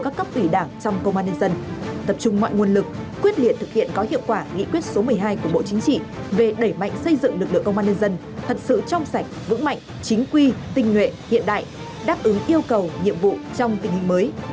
tập trung mọi nguồn lực quyết liệt thực hiện có hiệu quả nghị quyết số một mươi hai của bộ chính trị về đẩy mạnh xây dựng lực lượng công an nhân dân thật sự trong sạch vững mạnh chính quy tinh nguyện hiện đại đáp ứng yêu cầu nhiệm vụ trong tình hình mới